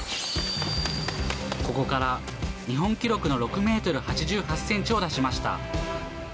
ここから日本記録の６メートル８８センチを出しました。